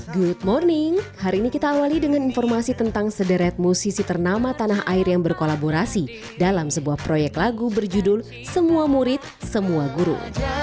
good morning hari ini kita awali dengan informasi tentang sederet musisi ternama tanah air yang berkolaborasi dalam sebuah proyek lagu berjudul semua murid semua guru